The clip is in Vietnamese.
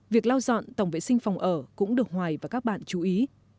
việc lau dọn tổng vệ sinh phòng ở cũng được hoài và các bạn chú ý